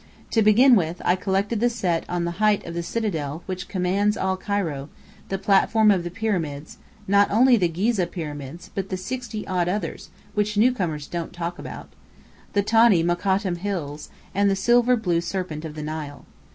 To begin with, I collected the Set on the height of the Citadel, which commands all Cairo, the platform of the Pyramids (not only the Ghizeh Pyramids but the sixty odd others, which newcomers don't talk about): the tawny Mokattam Hills, and the silver blue serpent of the Nile.